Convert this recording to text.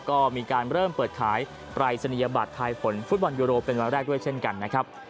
ก็มีการเริ่มเปิดขายปรายศนียบัตรทายผลฟุตบอลยูโรเป็นวันแรกด้วยเช่นกันนะครับ